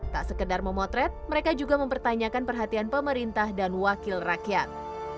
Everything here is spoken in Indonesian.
tak sekedar memotret mereka juga mempertanyakan perhatian pemerintah dan wakil rakyat